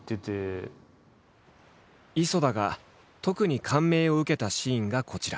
磯田が特に感銘を受けたシーンがこちら。